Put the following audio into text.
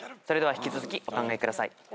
それでは引き続きお考えください。